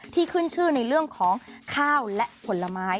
ขึ้นชื่อในเรื่องของข้าวและผลไม้